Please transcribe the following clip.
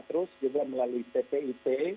terus juga melalui ppip